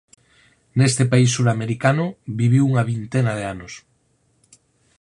Neste país suramericano viviu unha vintena de anos.